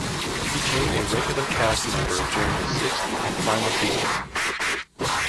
He became a regular cast member during the sixth and final season.